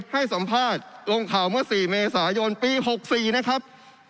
ให้สัมภาษณ์ลงข่าวเมื่อ๔เมษายนปี๖๔นะครับ